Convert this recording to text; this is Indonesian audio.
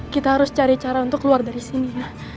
kita harus cari cara untuk keluar dari sini